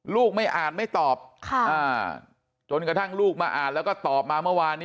ลูกไม่อ่านไม่ตอบจนกระทั่งลูกมาอ่านแล้วก็ตอบมาเมื่อวานนี้